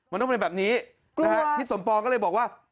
มันต้องเป็นแบบนี้นะฮะทิศสมปองก็เลยบอกว่า